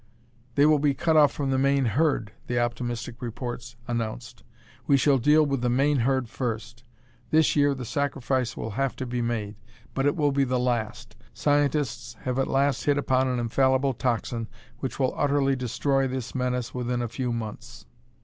"They will be cut off from the main herd," the optimistic reports announced. "We shall deal with the main herd first. This year the sacrifice will have to be made, but it will be the last. Scientists have at last hit upon an infallible toxin which will utterly destroy this menace within a few months."